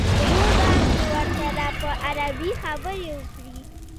ورور به مې ورسره په عربي خبرې وکړي.